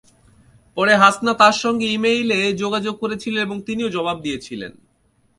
পরে হাসনা তাঁর সঙ্গে ই-মেইলে যোগাযোগ করেছিলেন এবং তিনিও জবাব দিয়েছিলেন।